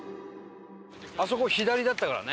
あそこ左だったからね。